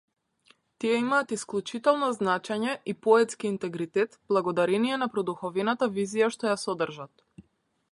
Тие имаат исклучително значење и поетски интегритет благодарение на продуховената визија што ја содржат.